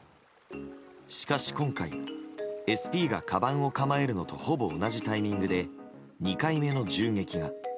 しかし今回ＳＰがかばんを構えるのとほぼ同じタイミングで２回目の銃撃が。